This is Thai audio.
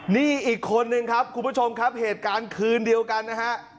นี่อีกคนนึงครับคุณผู้ชมครับเหตุการณ์คืนเดียวกันนะฮะ